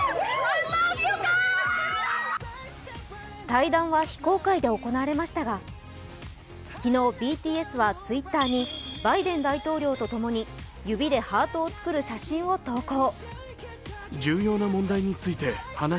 対談は非公開で行われましたが、昨日、ＢＴＳはＴｗｉｔｔｅｒにバイデン大統領とともに指でハートを作る写真を投稿。